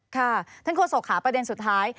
ค่ะท่านโฆษกค่ะประเด็นสุดท้าย